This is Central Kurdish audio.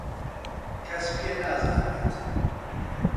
کەس پێ نازانێت.